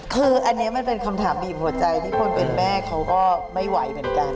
คืออันนี้เป็นคำถามบีมหัวใจที่ก็ไม่ไหว